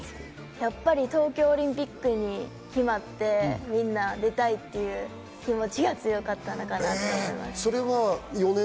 やっぱり東京オリンピックに決まって、みんな出たいって気持ちが強かったのかなと思います。